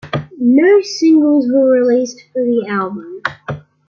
No singles were released for the album.